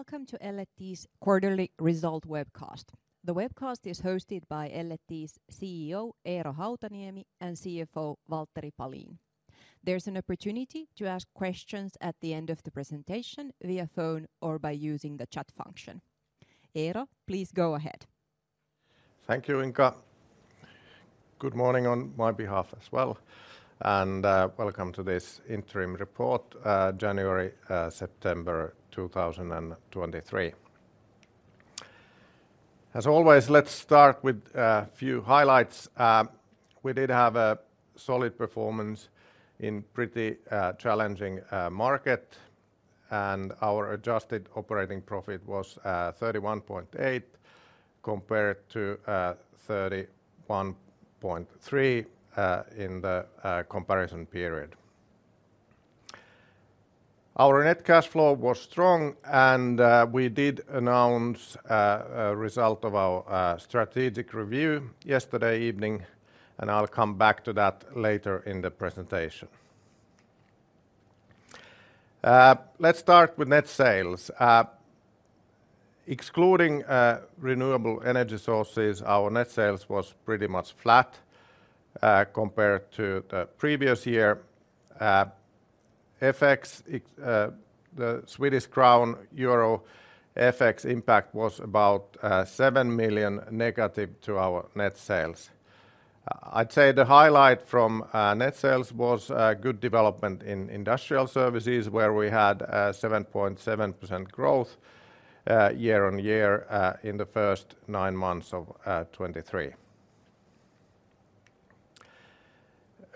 Welcome to L&T's quarterly result webcast. The webcast is hosted by L&T's CEO, Eero Hautaniemi, and CFO, Valtteri Palin. There's an opportunity to ask questions at the end of the presentation via phone or by using the chat function. Eero, please go ahead. Thank you, Inga. Good morning on my behalf as well, and welcome to this interim report, January-September 2023. As always, let's start with a few highlights. We did have a solid performance in pretty challenging market, and our adjusted operating profit was 31.8 compared to 31.3 in the comparison period. Our net cash flow was strong, and we did announce a result of our strategic review yesterday evening, and I'll come back to that later in the presentation. Let's start with net sales. Excluding Renewable Energy Sources, our net sales was pretty much flat compared to the previous year. FX, ex the Swedish krona, euro FX impact was about 7 million negative to our net sales. I'd say the highlight from net sales was a good development in Industrial Services, where we had a 7.7% growth year-on-year in the first nine months of 2023.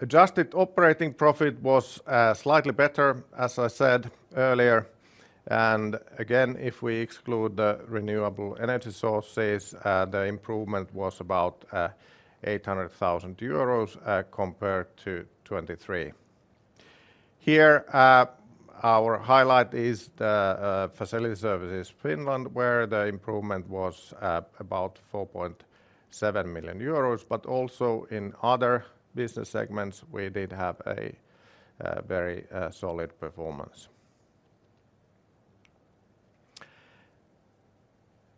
Adjusted operating profit was slightly better, as I said earlier, and again, if we exclude the Renewable Energy Sources, the improvement was about 800,000 euros compared to 2023. Here, our highlight is the Facility Services Finland, where the improvement was about 4.7 million euros, but also in other business segments, we did have a very solid performance.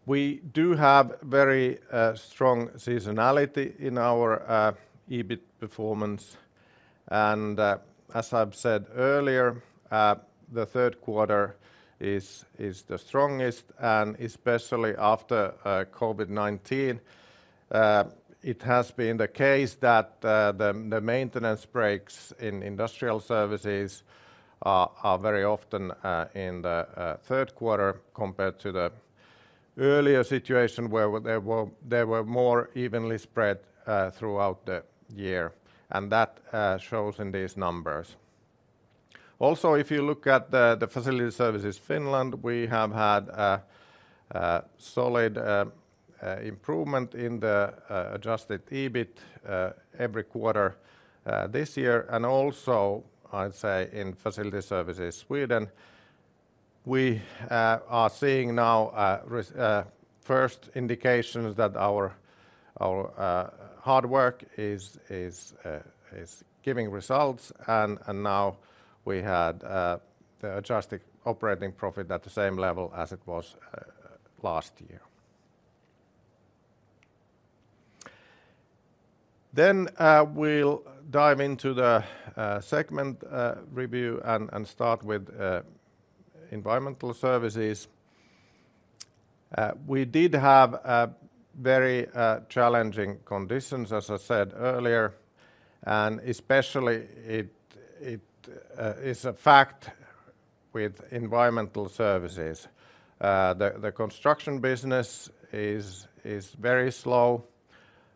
We do have very strong seasonality in our EBIT performance, and as I've said earlier, the third quarter is the strongest, and especially after COVID-19, it has been the case that the maintenance breaks in Industrial Services are very often in the third quarter compared to the earlier situation, where they were more evenly spread throughout the year, and that shows in these numbers. Also, if you look at the Facility Services Finland, we have had a solid improvement in the adjusted EBIT every quarter this year, and also, I'd say, in Facility Services Sweden, we are seeing now first indications that our hard work is giving results, and now we had the adjusted operating profit at the same level as it was last year. We'll dive into the segment review and start with Environmental Services. We did have very challenging conditions, as I said earlier, and especially it is a fact with Environmental Services. The construction business is very slow,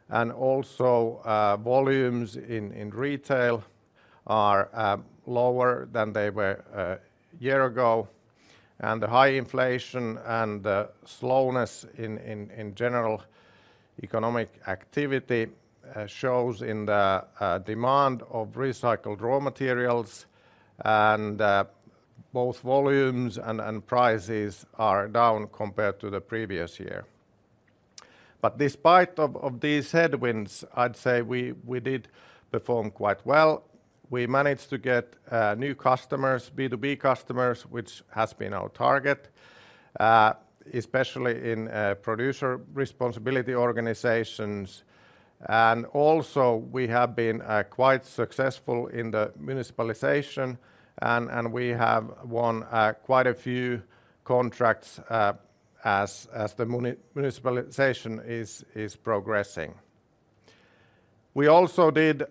and also, volumes in retail are lower than they were a year ago. The high inflation and the slowness in general economic activity shows in the demand of recycled raw materials, and both volumes and prices are down compared to the previous year. But despite of these headwinds, I'd say we did perform quite well. We managed to get new customers, B2B customers, which has been our target, especially in producer responsibility organizations. And also, we have been quite successful in the municipalization, and we have won quite a few contracts, as the municipalization is progressing. We also did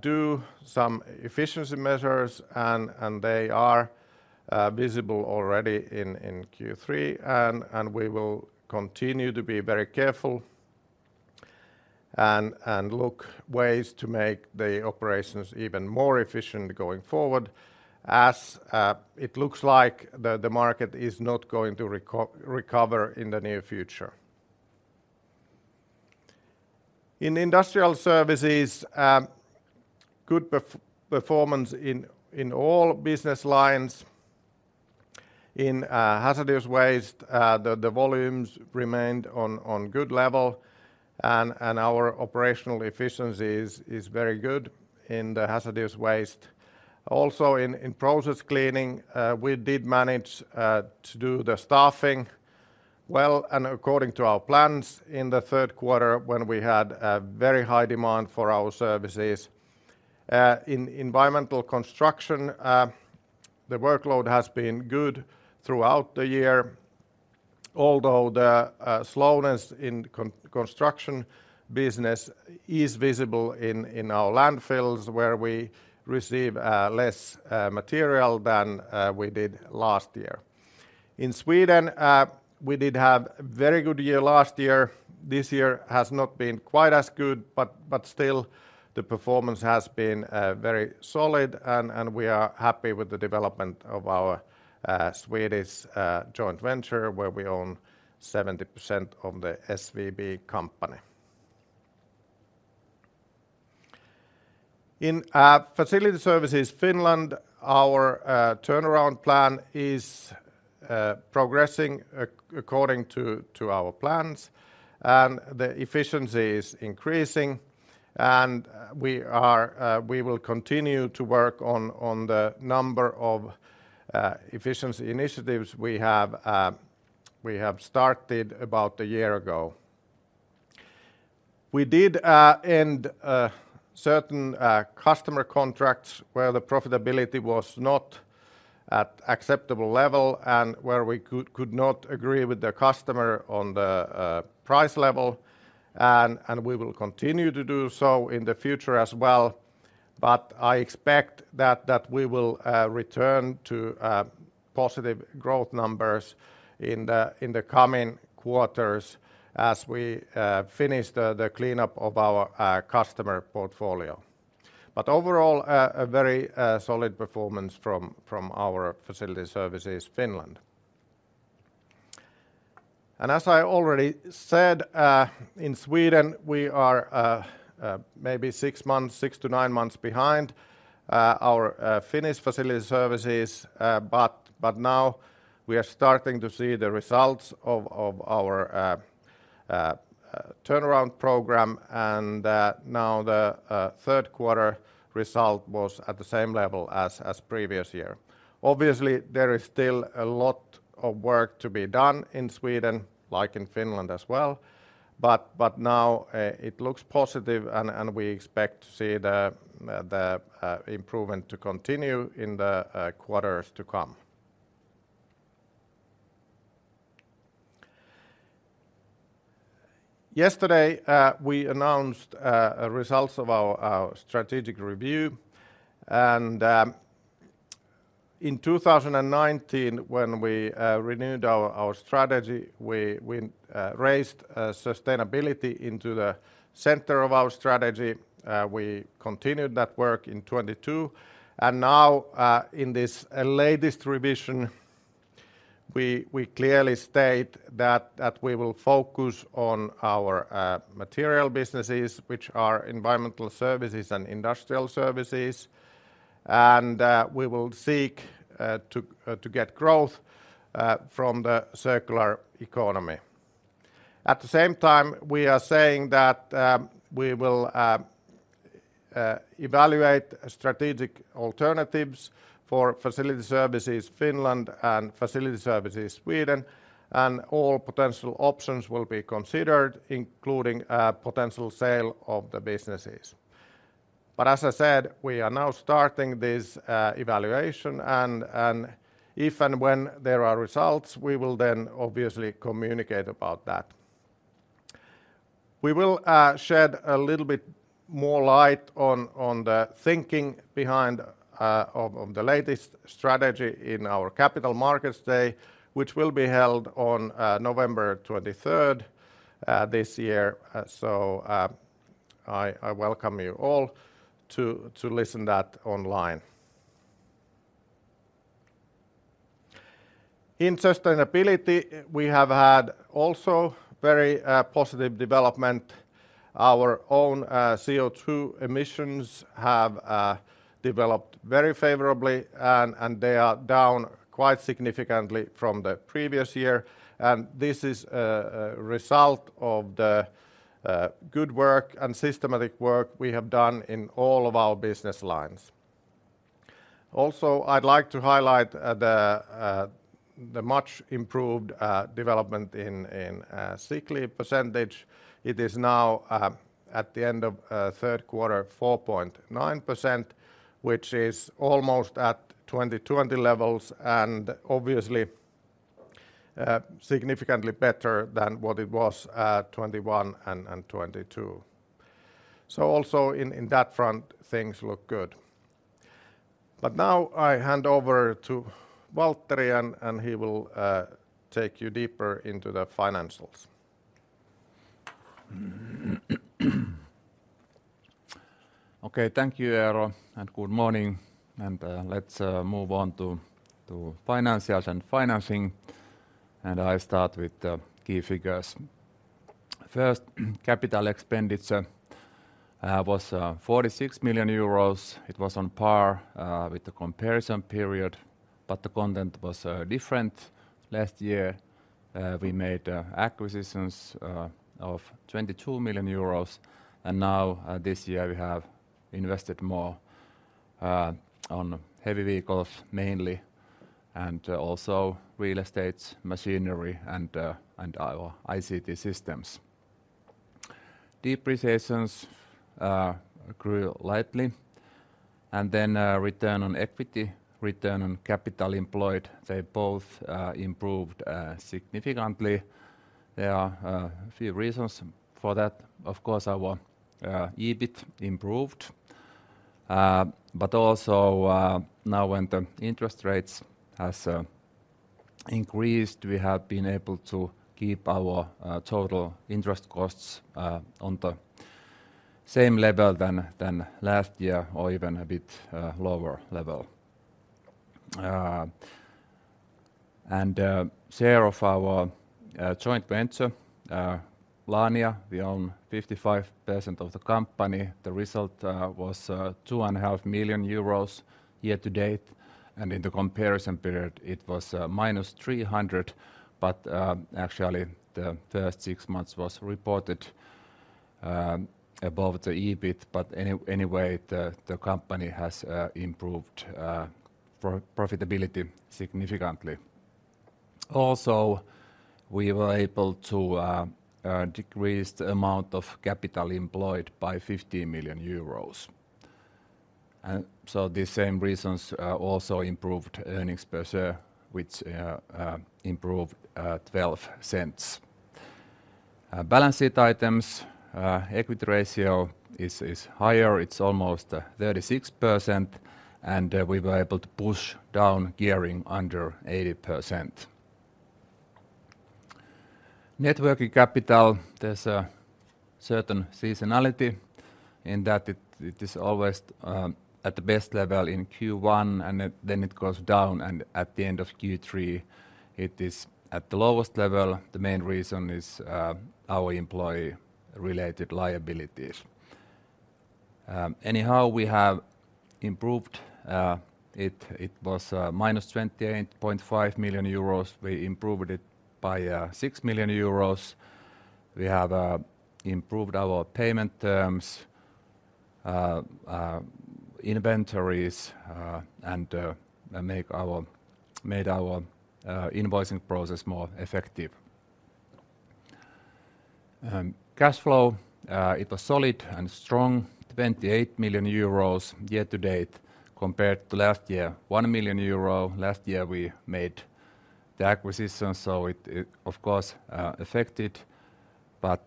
do some efficiency measures, and they are visible already in Q3, and we will continue to be very careful and look ways to make the operations even more efficient going forward, as it looks like the market is not going to recover in the near future. In Industrial Services, good performance in all business lines. In hazardous waste, the volumes remained on good level. And our operational efficiency is very good in the hazardous waste. Also, in process cleaning, we did manage to do the staffing well and according to our plans in the third quarter, when we had a very high demand for our services. In environmental construction, the workload has been good throughout the year, although the slowness in construction business is visible in our landfills, where we receive less material than we did last year. In Sweden, we did have a very good year last year. This year has not been quite as good, but still the performance has been very solid, and we are happy with the development of our Swedish joint venture, where we own 70% of the SVB company. In Facility Services Finland, our turnaround plan is progressing according to our plans, and the efficiency is increasing. We will continue to work on the number of efficiency initiatives we have started about a year ago. We did end certain customer contracts, where the profitability was not at acceptable level and where we could not agree with the customer on the price level, and we will continue to do so in the future as well. But I expect that we will return to positive growth numbers in the coming quarters as we finish the cleanup of our customer portfolio. But overall, a very solid performance from our Facility Services Finland. As I already said, in Sweden, we are maybe six months, six to nine months behind our Finnish Facility Services, but now we are starting to see the results of our turnaround program, and now the third quarter result was at the same level as previous year. Obviously, there is still a lot of work to be done in Sweden, like in Finland as well, but now it looks positive, and we expect to see the improvement to continue in the quarters to come. Yesterday we announced results of our strategic review, and in 2019, when we renewed our strategy, we raised sustainability into the center of our strategy. We continued that work in 2022, and now, in this latest revision, we clearly state that we will focus on our material businesses, which are Environmental Services and Industrial Services, and we will seek to get growth from the circular economy. At the same time, we are saying that we will evaluate strategic alternatives for Facility Services Finland and Facility Services Sweden, and all potential options will be considered, including a potential sale of the businesses. But as I said, we are now starting this evaluation, and if and when there are results, we will then obviously communicate about that. We will shed a little bit more light on the thinking behind of the latest strategy in our Capital Markets Day, which will be held on November 23rd this year. I welcome you all to listen that online. In sustainability, we have had also very positive development. Our own CO2 emissions have developed very favorably, and they are down quite significantly from the previous year, and this is a result of the good work and systematic work we have done in all of our business lines. Also, I'd like to highlight the much improved development in sick leave percentage. It is now at the end of third quarter, 4.9%, which is almost at 2020 levels and obviously significantly better than what it was at 2021 and 2022. So also in that front, things look good. But now I hand over to Valtteri, and he will take you deeper into the financials. Okay. Thank you, Eero, and good morning, and let's move on to financials and financing, and I start with the key figures. First, capital expenditure was 46 million euros. It was on par with the comparison period, but the content was different. Last year, we made acquisitions of 22 million euros, and now, this year we have invested more on heavy vehicles mainly, and also real estate, machinery, and our ICT systems. Depreciations grew lightly, and then return on equity, return on capital employed, they both improved significantly. There are a few reasons for that. Of course, our EBIT improved, but also, now when the interest rates has increased, we have been able to keep our total interest costs on the same level than last year, or even a bit lower level. And share of our joint venture, Laania, we own 55% of the company. The result was 2.5 million euros year to date, and in the comparison period, it was minus 300. But actually, the first six months was reported above the EBIT. But anyway, the company has improved profitability significantly. Also, we were able to decrease the amount of capital employed by 50 million euros. And so these same reasons also improved earnings per share, which improved 0.12. Balance sheet items, equity ratio is higher, it's almost 36%, and we were able to push down gearing under 80%. Net working capital, there's a certain seasonality in that it is always at the best level in Q1, and then it goes down, and at the end of Q3, it is at the lowest level. The main reason is our employee-related liabilities. Anyhow, we have improved it. It was minus 28.5 million euros. We improved it by 6 million euros. We have improved our payment terms, inventories, and made our invoicing process more effective. Cash flow, it was solid and strong, 28 million euros year to date, compared to last year, 1 million euro. Last year, we made the acquisition, so it of course affected, but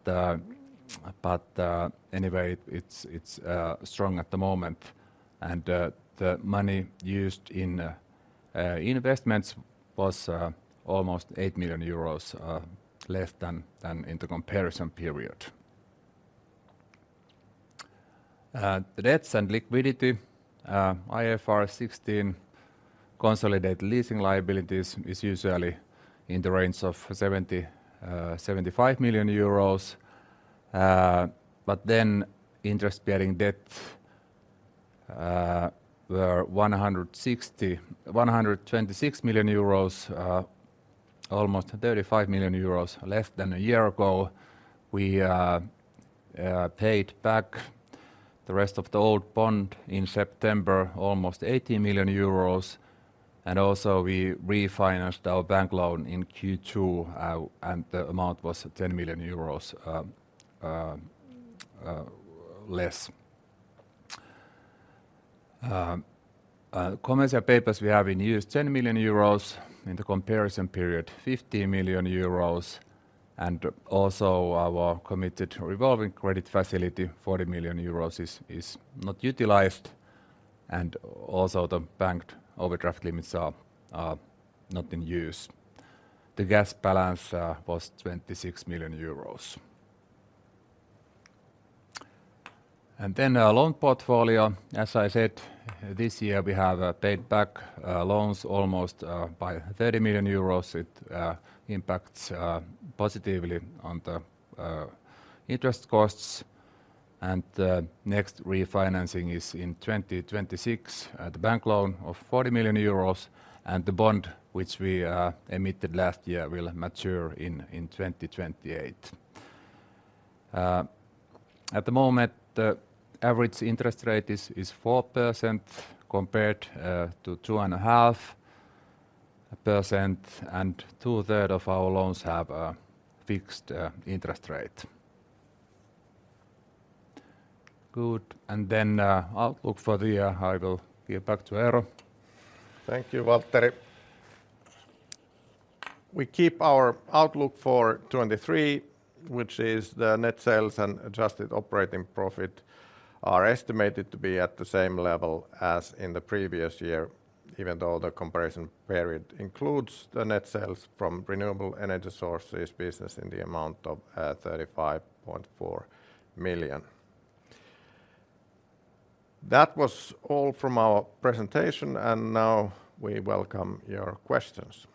anyway, it's strong at the moment. The money used in investments was almost 8 million euros less than in the comparison period. The debts and liquidity, IFRS 16 consolidated leasing liabilities is usually in the range of 70 million-75 million euros. But then, interest-bearing debt were 126... 126 million euros, almost 35 million euros less than a year ago. We paid back the rest of the old bond in September, almost 80 million euros, and also, we refinanced our bank loan in Q2, and the amount was EUR 10 million less. Commercial papers, we have in use 10 million euros. In the comparison period, 50 million euros, and also our committed revolving credit facility, 40 million euros, is not utilized, and also the banked overdraft limits are not in use. The cash balance was EUR 26 million. And then, loan portfolio, as I said, this year, we have paid back loans almost by 30 million euros. It impacts positively on the interest costs, and the next refinancing is in 2026, the bank loan of 40 million euros, and the bond, which we emitted last year, will mature in 2028. At the moment, the average interest rate is 4% compared to 2.5%, and two-thirds of our loans have a fixed interest rate. Good. And then, outlook for the year, I will give back to Eero. Thank you, Valtteri. We keep our outlook for 2023, which is the net sales and adjusted operating profit are estimated to be at the same level as in the previous year, even though the comparison period includes the net sales from Renewable Energy Sources business in the amount of 35.4 million. That was all from our presentation, and now we welcome your questions.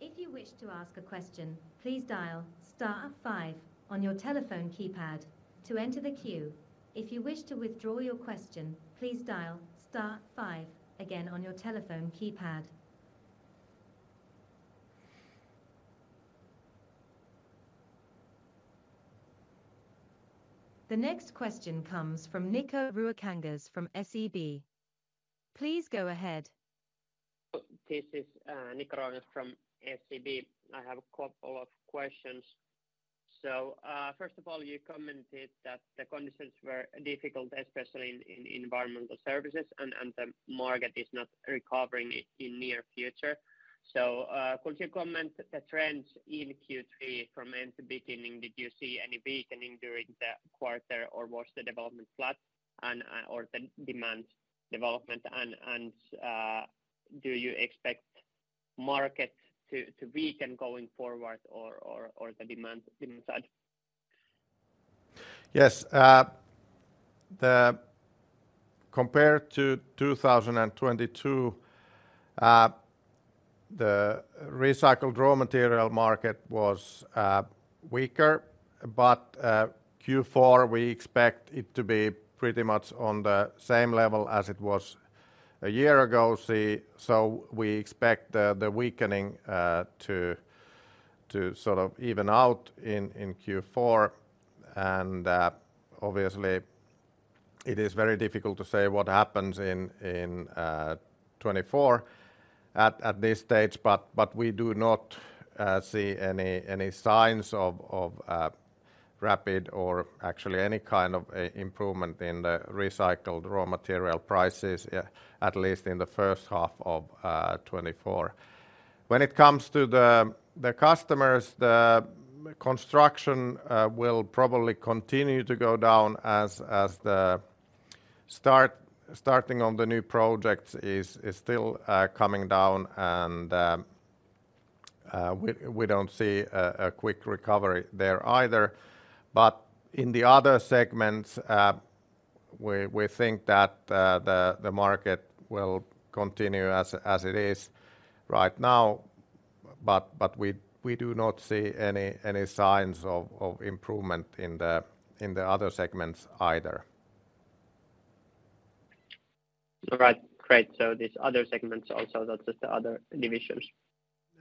If you wish to ask a question, please dial star five on your telephone keypad to enter the queue. If you wish to withdraw your question, please dial star five again on your telephone keypad. The next question comes from Nikko Ruokangas from SEB. Please go ahead. This is Nikko Ruokangas from SEB. I have a couple of questions. So, first of all, you commented that the conditions were difficult, especially in Environmental Services, and the market is not recovering in near future. So, could you comment the trends in Q3 from end to beginning? Did you see any weakening during the quarter, or was the development flat and or the demand development? And, do you expect market to weaken going forward or the demand inside? Yes. Compared to 2022, the recycled raw material market was weaker, but Q4, we expect it to be pretty much on the same level as it was a year ago, see. So we expect the weakening to sort of even out in Q4. And obviously, it is very difficult to say what happens in 2024 at this stage, but we do not see any signs of rapid or actually any kind of improvement in the recycled raw material prices, at least in the first half of 2024. When it comes to the customers, the construction will probably continue to go down as the starting on the new projects is still coming down, and we don't see a quick recovery there either. But in the other segments, we think that the market will continue as it is right now, but we do not see any signs of improvement in the other segments either. All right. Great. So these other segments also, that's just the other divisions?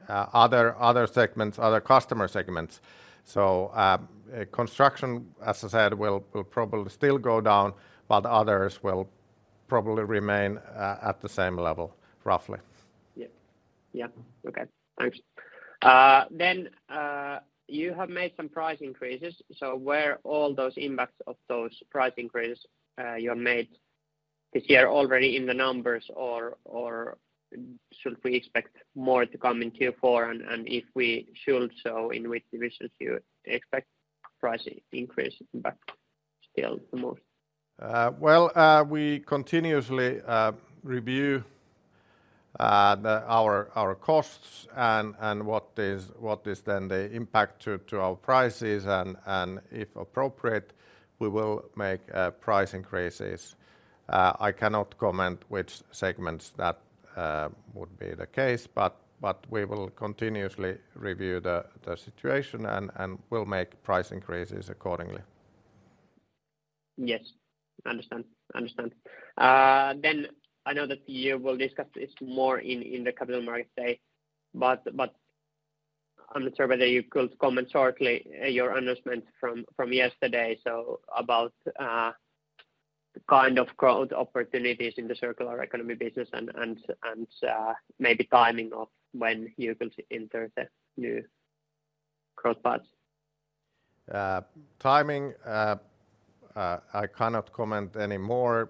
Other segments, other customer segments. So, construction, as I said, will probably still go down, but others will probably remain at the same level, roughly. Yeah. Yeah. Okay, thanks. Then, you have made some price increases, so where all those impacts of those price increases you have made this year already in the numbers, or should we expect more to come in Q4? And, and if we should, so in which divisions do you expect price increase impact still the most? Well, we continuously review our costs and what is then the impact to our prices, and if appropriate, we will make price increases. I cannot comment which segments that would be the case, but we will continuously review the situation and we'll make price increases accordingly. Yes. Understood. Then I know that you will discuss this more in the Capital Markets Day, but I'm not sure whether you could comment shortly your announcement from yesterday, so about the kind of growth opportunities in the circular economy business and maybe timing of when you will enter the new growth path. Timing, I cannot comment any more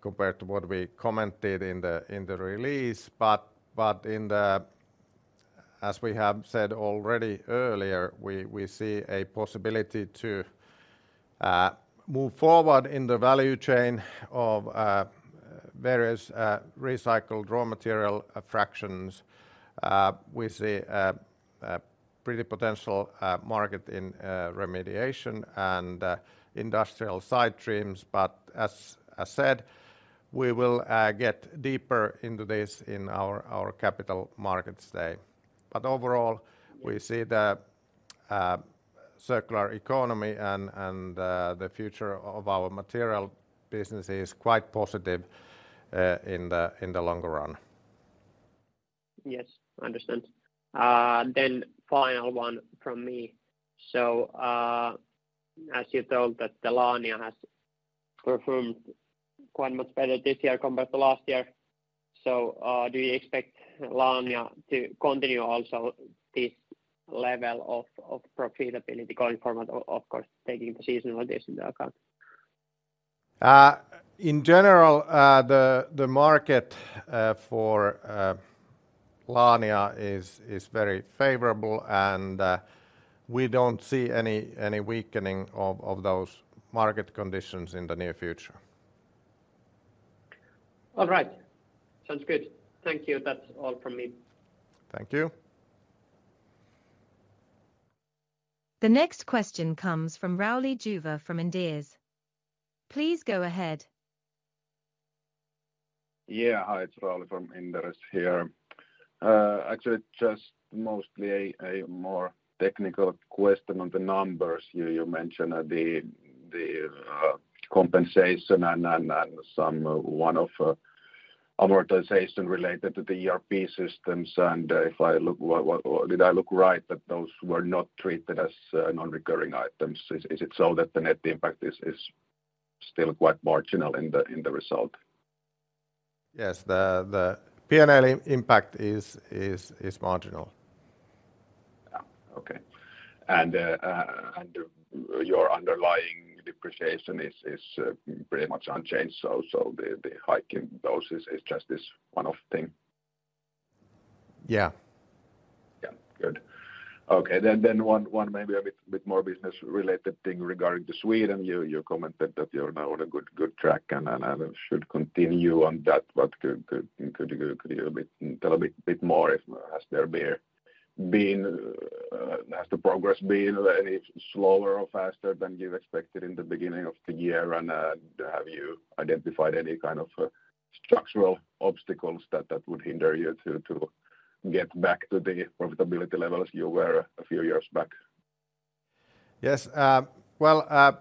compared to what we commented in the release, but in the... As we have said already earlier, we see a possibility to move forward in the value chain of various recycled raw material fractions. We see a pretty potential market in remediation and industrial side streams. But as I said, we will get deeper into this in our Capital Markets Day. But overall, we see the circular economy and the future of our material business is quite positive in the longer run. Yes, I understand. Then final one from me. So, as you told that the Laania has performed quite much better this year compared to last year, so, do you expect Laania to continue also this level of, of profitability going forward, of course, taking the seasonality into account? In general, the market for Laania is very favorable, and we don't see any weakening of those market conditions in the near future. All right. Sounds good. Thank you. That's all from me. Thank you. The next question comes from Rauli Juva from Inderes. Please go ahead. Yeah. Hi, it's Rauli from Inderes here. Actually, just mostly a more technical question on the numbers. You mentioned the compensation and some one-off amortization related to the ERP systems. And if I look, did I look right that those were not treated as non-recurring items? Is it so that the net impact is still quite marginal in the result? Yes. The P&L impact is marginal. Yeah. Okay. And your underlying depreciation is pretty much unchanged, so the hike in those is just this one-off thing? Yeah. Yeah. Good. Okay. Then one maybe a bit more business-related thing regarding Sweden. You commented that you're now on a good track and should continue on that, but could you tell a bit more if there has been... Has the progress been any slower or faster than you expected in the beginning of the year? And have you identified any kind of structural obstacles that would hinder you to get back to the profitability levels you were a few years back? Yes. Well,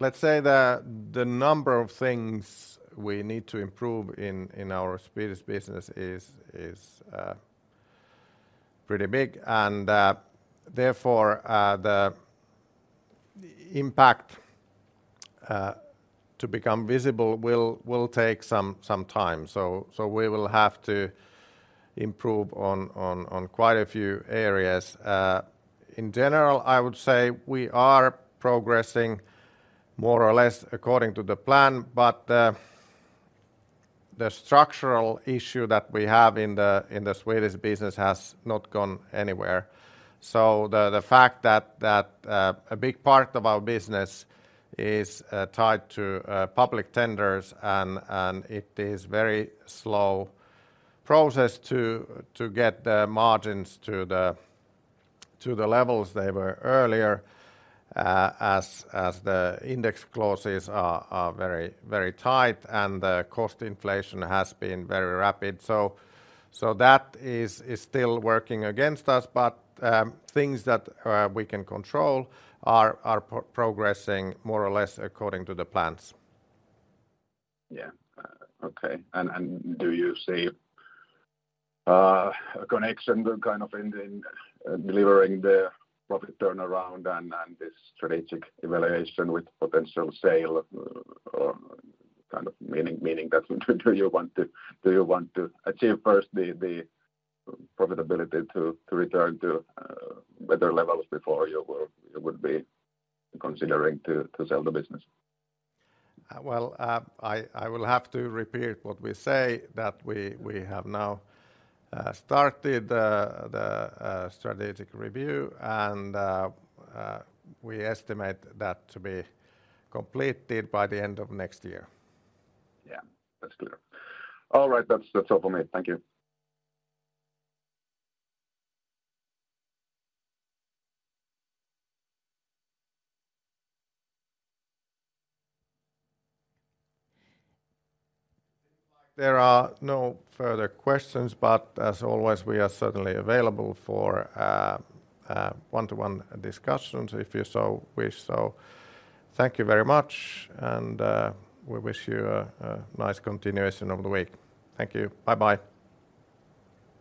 let's say the number of things we need to improve in our Swedish business is pretty big, and therefore, the impact to become visible will take some time. So we will have to improve on quite a few areas. In general, I would say we are progressing more or less according to the plan, but the structural issue that we have in the Swedish business has not gone anywhere. So the fact that a big part of our business is tied to public tenders and it is very slow process to get the margins to the levels they were earlier, as the index clauses are very, very tight, and the cost inflation has been very rapid. So that is still working against us. But things that we can control are progressing more or less according to the plans. Yeah. Okay. And do you see a connection kind of in the delivering the profit turnaround and this strategic evaluation with potential sale, or kind of meaning that do you want to achieve first the profitability to return to better levels before you will you would be considering to sell the business? Well, I will have to repeat what we say, that we have now started the strategic review, and we estimate that to be completed by the end of next year. Yeah, that's clear. All right, that's, that's all for me. Thank you. There are no further questions, but as always, we are certainly available for one-to-one discussions if you so wish so. Thank you very much, and we wish you a nice continuation of the week. Thank you. Bye-bye.